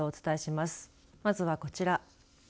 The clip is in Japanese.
まずはこちら。